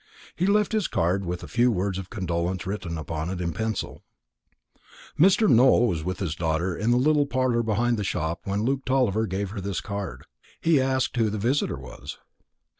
He left his card, with a few words of condolence written upon it in pencil. Mr. Nowell was with his daughter in the little parlour behind the shop when Luke Tulliver gave her this card. He asked who the visitor was.